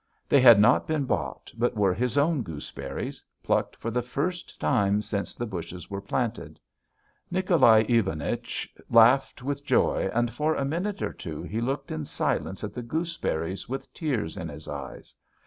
They had not been bought, but were his own gooseberries, plucked for the first time since the bushes were planted. Nicholai Ivanich laughed with joy and for a minute or two he looked in silence at the gooseberries with tears in his eyes.